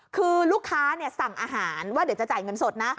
คือลูกค้าสั่งอาหารว่าเดี๋ยวจะจ่ายเงินสดนะ